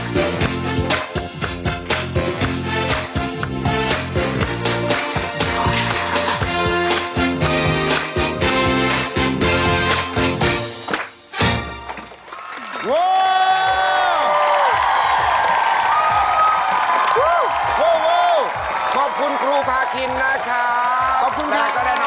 ขอบคุณครูภาษากิ้นนะคะ